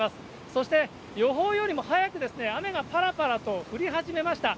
そして、予報よりも早く雨がぱらぱらと降り始めました。